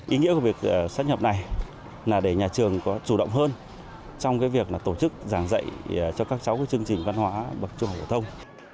ý nghĩa của việc sát nhập này là để nhà trường có chủ động hơn trong việc tổ chức giảng dạy cho các cháu chương trình văn hóa bậc trung học phổ thông